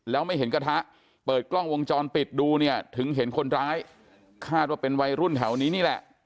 แล้วไม่เห็นกระทะเปิดกล้องวงจรปิดดูเนี่ยถึงเห็นคนร้ายคาดว่าเป็นวัยรุ่นแถวนี้นี่แหละ